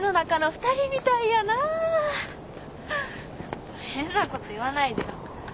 ちょっと変なこと言わないでよ。